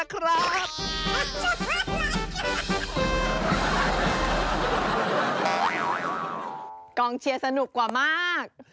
กองเชียร์สนุกกว่ามาก